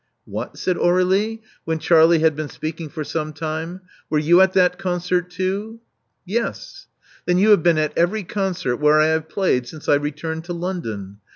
What!" said Aurdlie, when Charlie had been speaking for some time: were you at that concert too?" Yes. Then you have been at every concert where I have played since I returned to London.